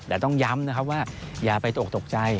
แต่ต้องย้ำนะครับว่าอย่าไปตกตกใจ